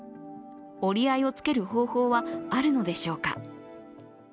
折り合いをつける方法はあるのでしょうか。